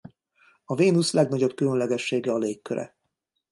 A Vénusz legnagyobb különlegessége a légköre.